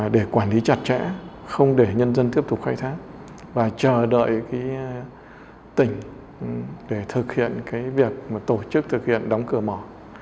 để quản lý chặt chẽ không để nhân dân tiếp tục khai thác và chờ đợi tỉnh để thực hiện việc tổ chức thực hiện đóng cửa mỏ